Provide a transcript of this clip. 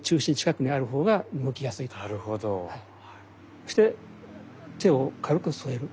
そして手を軽く添える。